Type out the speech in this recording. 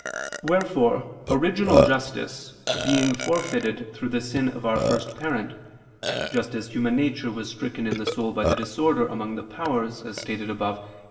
Wherefore, original justice being forfeited through the sin of our first parent; just as human nature was stricken in the soul by the disorder among the powers, as stated above (A.